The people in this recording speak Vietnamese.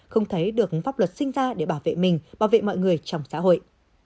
không thấy được pháp luật sinh ra để bảo vệ mình bảo vệ mọi người trong xã hội